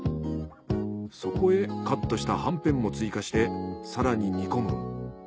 そこへカットしたはんぺんも追加して更に煮込む。